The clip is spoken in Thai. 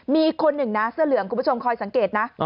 มีคนหนึ่งนะเสื้อเหลืองคุณผู้ชมคอยสังเกตนะ